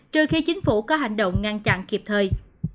trừ khi chính phủ có hành động ngăn chặn kịp thời